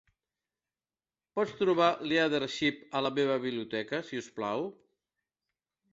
pots trobar Leadership a la meva biblioteca, si us plau?